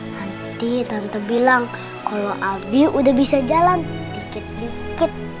nanti tante bilang kalau audio udah bisa jalan sedikit sedikit